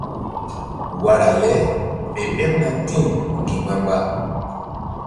Wara le fe ɓeɓna ti̧w ŋgi̧mba-mba.